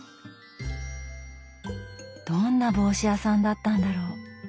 どんな帽子屋さんだったんだろう。